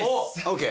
ＯＫ。